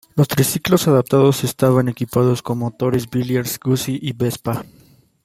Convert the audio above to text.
Los triciclos adaptados estaban equipados con motores Villiers, Guzzi y Vespa.